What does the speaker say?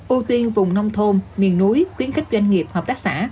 ưu tiên vùng nông thôn miền núi khuyến khích doanh nghiệp hợp tác xã